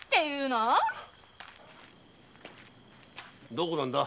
どこなんだ？